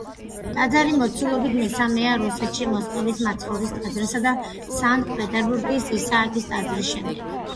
ტაძარი მოცულობით მესამეა რუსეთში მოსკოვის მაცხოვრის ტაძრისა და სანქტ-პეტერბურგის ისააკის ტაძრის შემდეგ.